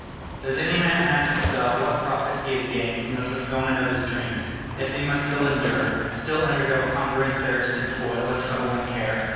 Does any man ask himself what profit he has gained from the fulfilment of his dreams, if he must still endure, still undergo hunger and thirst and toil and trouble and care?